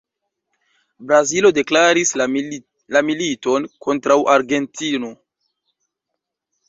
Brazilo deklaris la militon kontraŭ Argentino.